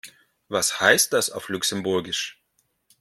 Was heißt das auf Luxemburgisch?